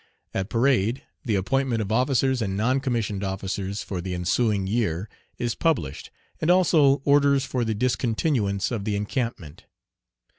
At parade the appointment of officers and non commissioned officers for the ensuing year is published, and also orders for the discontinuance of the encampment.